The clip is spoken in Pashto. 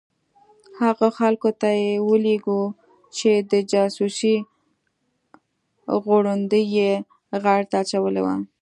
هغو خلکو ته یې ولېږو چې د جاسوسۍ غړوندی یې غاړې ته اچولي وو.